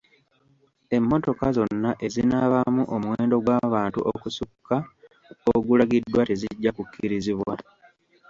Emmotoka zonna ezinaabaamu omuwendo gw'abantu okusukka ogulagiddwa tezijja kukkirizibwa.